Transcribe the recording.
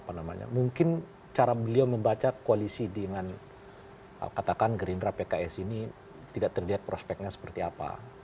apa namanya mungkin cara beliau membaca koalisi dengan katakan gerindra pks ini tidak terlihat prospeknya seperti apa